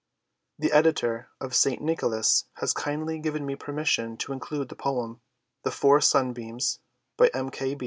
The editor of St. Nicholas has kindly given me permission to include the poems "The Four Sunbeams," by M.